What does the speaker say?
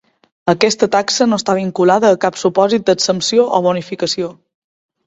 Aquesta taxa no està vinculada a cap supòsit d'exempció o bonificació.